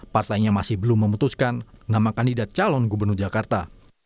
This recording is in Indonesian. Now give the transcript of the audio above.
partainya masih belum memutuskan nama kandidat calon gubernur jakarta